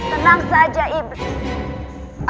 tenang saja iblis